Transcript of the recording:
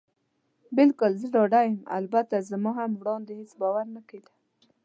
بلکل، زه ډاډه یم. البته زما هم وړاندې هېڅ باور نه کېده.